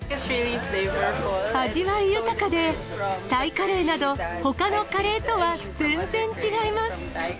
味わい豊かで、タイカレーなど、ほかのカレーとは全然違います。